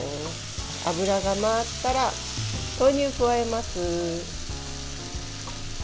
油が回ったら豆乳を加えます。